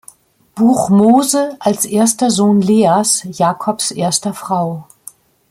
Buch Mose als erster Sohn Leas, Jakobs erster Frau.